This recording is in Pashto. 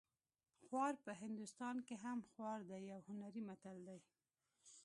خوار په هندوستان هم خوار دی یو هنري متل دی